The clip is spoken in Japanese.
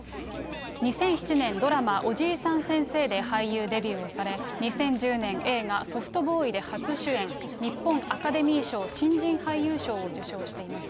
２００７年、ドラマ、おじいさん先生で俳優デビューをされ、２０１０年、映画、ソフトボーイで初主演、日本アカデミー賞新人俳優賞を受賞しています。